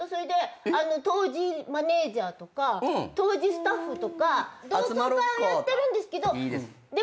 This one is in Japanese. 当時マネジャーとか当時スタッフとか同窓会をやってるんですけどでもね。